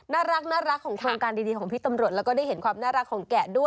น่ารักของโครงการดีของพี่ตำรวจแล้วก็ได้เห็นความน่ารักของแกะด้วย